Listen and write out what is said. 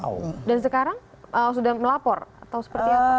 oh dan sekarang sudah melapor atau seperti apa